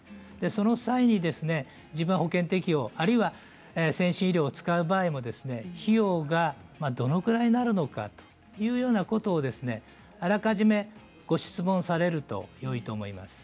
その際に自分は保険適用あるいは先進医療を使う場合も費用がどれくらいになるのかというようなことをあらかじめご質問されるとよいと思います。